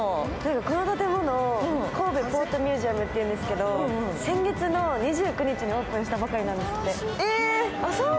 この建物、神戸ポートミュージアムっていうんですけど先月の２９日にオープンしたばかりなんですって。